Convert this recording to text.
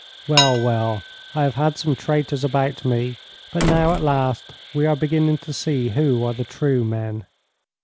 Well, well, I have had some traitors about me, but now at last we are beginning to see who are the true men.'